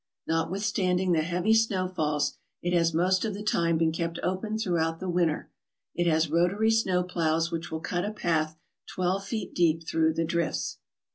Notwithstanding the heavy snowfalls, it has most of the time been kept open throughout the winter. It has rotary snow ploughs which will cut a path twelve feet deep through the drifts.